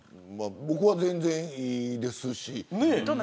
僕は全然いいですし。